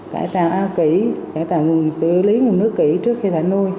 phải tạo áo kỹ phải tạo nguồn xử lý nguồn nước kỹ trước khi thả nuôi